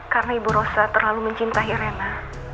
karena ibu rosa terlalu mencintai rena